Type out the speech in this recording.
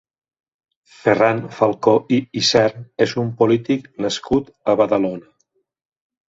Ferran Falcó i Isern és un polític nascut a Badalona.